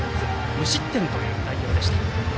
無失点という内容でした。